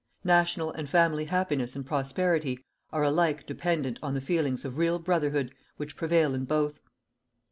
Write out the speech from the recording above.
National and family happiness and prosperity are alike dependent on the feelings of real brotherhood which prevail in both.